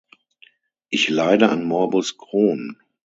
Ich leide an Morbus Crohn.